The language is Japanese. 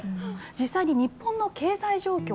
実際に日本の経済状況